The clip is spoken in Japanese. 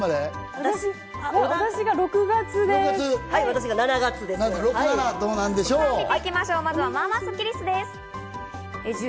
私が７月です。